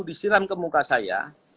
disiram ke muka saya